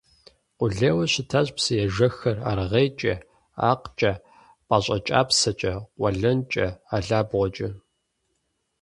Къулейуэ щытащ псыежэххэр аргъейкӀэ, акъкӀэ, пащӀэкӀапсэкӀэ, къуэлэнкӀэ, алабгъуэкӀэ.